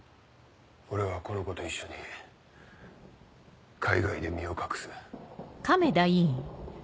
俺はこの子と一緒に海外で身を隠す。